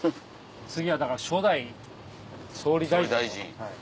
次はだから初代総理大臣。総理大臣。